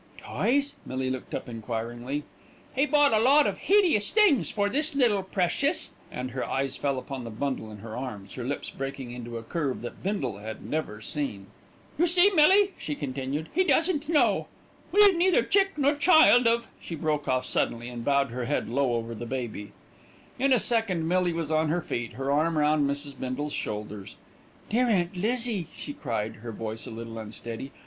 "Toys?" Millie looked up enquiringly. "He bought a lot of hideous things for this little precious," and her eyes fell upon the bundle in her arms, her lips breaking into a curve that Bindle had never seen. "You see, Millie," she continued, "he doesn't know. We've neither chick nor child of " She broke off suddenly, and bowed her head low over the baby. In a second Millie was on her feet, her arm round Mrs. Bindle's shoulders. "Dear Aunt Lizzie!" she cried, her voice a little unsteady.